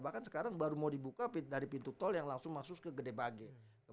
bahkan sekarang baru mau dibuka dari pintu tol yang langsung masuk ke gede bage